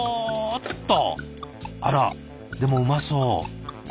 あらでもうまそう。